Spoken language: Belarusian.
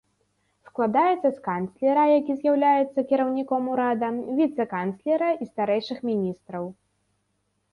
Складаецца з канцлера, які з'яўляецца кіраўніком урада, віцэ-канцлера і старэйшых міністраў.